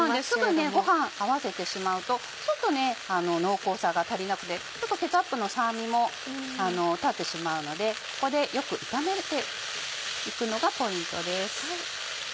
すぐご飯合わせてしまうとちょっと濃厚さが足りなくてケチャップの酸味も立ってしまうのでここでよく炒めて行くのがポイントです。